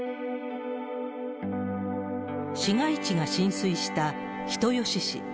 市街地が浸水した人吉市。